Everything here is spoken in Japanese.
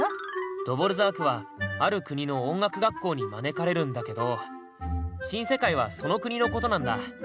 ドヴォルザークはある国の音楽学校に招かれるんだけど「新世界」はその国のことなんだ。